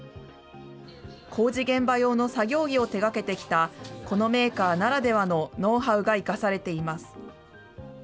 工事現場用の作業着を手がけてきたこのメーカーならではのノウハウが生かされています。